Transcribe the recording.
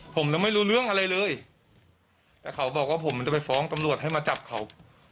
ผมยังไม่รู้เรื่องอะไรเลยแต่เขาบอกว่าผมมันจะไปฟ้องตำรวจให้มาจับเขา